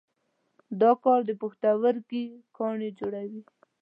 دا کار د پښتورګي کاڼي جوړوي.